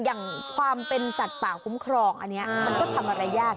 อย่างความเป็นสัตว์ป่าคุ้มครองอันนี้มันก็ทำอะไรยาก